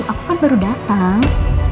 aku kan baru dateng